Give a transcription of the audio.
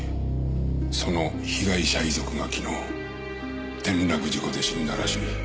その被害者遺族が昨日転落事故で死んだらしい。